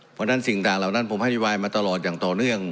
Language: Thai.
เพราะฉะนั้นสิ่งต่างเหล่านั้นผมให้นโยบายมาตลอดอย่างต่อเนื่อง